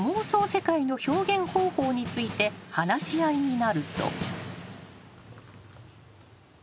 世界の表現方法について話し合いになると］